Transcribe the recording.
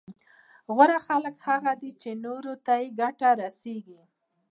غوره خلک هغه دي چي نورو ته يې ګټه رسېږي